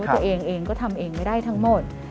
ตัวเองเองก็ทำเองไม่ได้ทั้งหมด